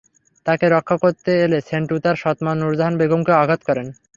তাঁকে রক্ষা করতে এলে সেন্টু তাঁর সৎমা নুরজাহান বেগমকেও আঘাত করেন।